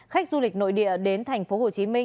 khách du lịch nội địa đến tp hcm